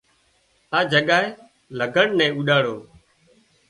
آ جڳائي لگھڙ نا اوڏاڙو